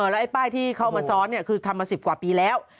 แล้วไอ้ป้ายที่เข้ามาซ้อนคือทำมา๑๐กว่าปีแล้ว